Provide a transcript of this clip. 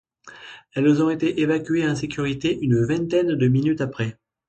Elles ont été évacuées en sécurité une vingtaine de minutes après.